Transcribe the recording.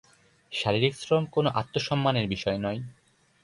শারীরিক শ্রম কোনো আত্মসম্মানের বিষয় নয়।